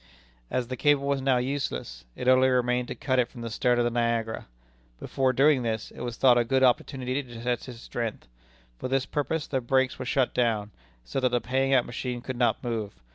As the cable was now useless, it only remained to cut it from the stern of the Niagara. Before doing this, it was thought a good opportunity to test its strength. For this purpose the brakes were shut down, so that the paying out machine could not move.